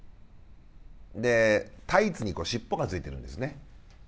でタイツに尻尾がついてるんですね。